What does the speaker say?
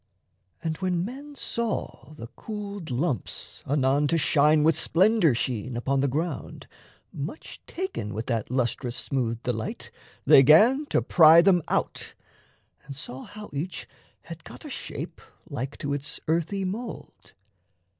And when men saw the cooled lumps anon To shine with splendour sheen upon the ground, Much taken with that lustrous smooth delight, They 'gan to pry them out, and saw how each Had got a shape like to its earthy mould.